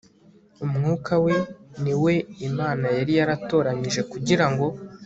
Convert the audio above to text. umwuka we Ni we Imana yari yaratoranyije kugira ngo